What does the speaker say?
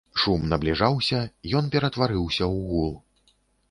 Шум набліжаўся, ён ператварыўся ў гул.